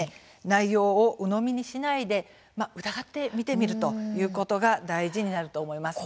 内容をうのみにしないで疑ってみてみるということが大事になると思います。